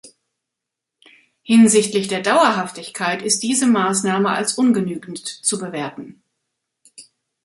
Hinsichtlich der Dauerhaftigkeit ist diese Maßnahme als ungenügend zu bewerten.